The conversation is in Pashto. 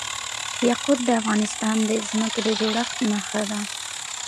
یاقوت د افغانستان د ځمکې د جوړښت نښه ده.